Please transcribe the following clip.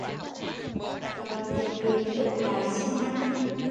Cầu Trường Tiền đúc lại xi-măng